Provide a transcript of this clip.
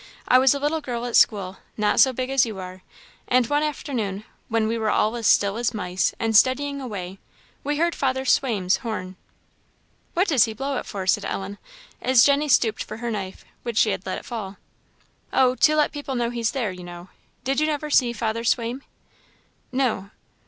"I was a little girl at school, not so big as you are; and one afternoon, when we were all as still as mice, and studying away, we heard Father Swaim's horn " "What does he blow it for?" said Ellen, as Jenny stooped for her knife, which she had let fall. "Oh to let people know he's there, you know; did you never see Father Swaim?" "No."